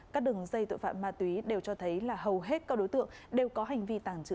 các đường dây tội phạm ma túy đều cho thấy là hầu hết các đối tượng đều có hành vi tàng trữ